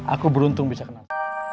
aku beruntung bisa kenal